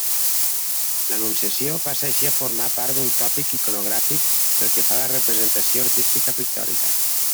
L'anunciació passa així a formar part d'un tòpic iconogràfic pel que fa a la representació artística pictòrica.